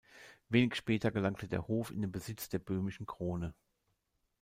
Wenig später gelangte der Hof in den Besitz der böhmischen Krone.